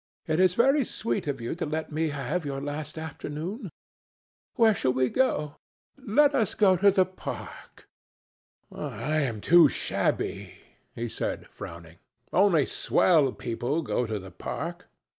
It is very sweet of you to let me have your last afternoon. Where shall we go? Let us go to the park." "I am too shabby," he answered, frowning. "Only swell people go to the park."